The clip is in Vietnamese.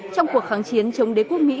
trong cuộc kháng chiến chống đế quốc mỹ